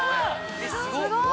すごーい。